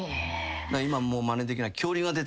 今もうまねできない。